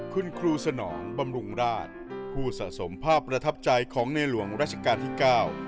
คุณครูสนองบำรุงราชผู้สะสมภาพประทับใจของในหลวงราชการที่เก้า